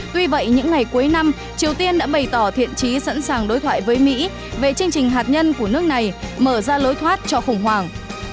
tuy vậy những ngày cuối năm triều tiên đã bày tỏ thiện trí sẵn sàng đối thoại với mỹ về chương trình hạt nhân của nước này mở ra lối thoát cho khủng hoảng